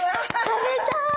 食べたい。